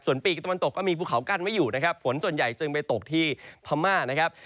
ส่วนปีกตะวันตกก็มีภูเขากั้นไว้อยู่นะครับฝนส่วนใหญ่จึงไปตกที่พม่านะครับ